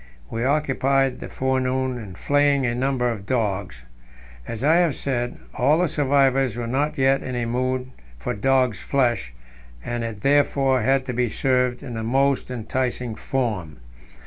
We occupied the forenoon in flaying a number of dogs. As I have said, all the survivors were not yet in a mood for dog's flesh, and it therefore had to be served in the most enticing form.